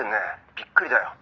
びっくりだよ。